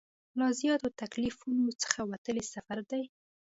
له زیاتو تکلیفونو څخه وتلی سفر دی.